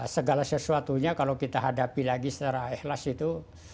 segala sesuatunya kalau kita hadapi lagi secara ikhlas itu